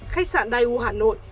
khách sạn dai u hà nội